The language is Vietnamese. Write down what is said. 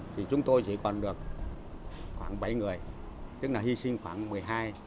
thì chúng tôi chỉ còn được khoảng bảy người tức là hy sinh khoảng một mươi hai